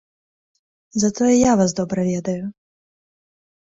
Затое я вас добра ведаю.